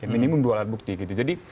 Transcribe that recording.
minimum dua alat bukti gitu jadi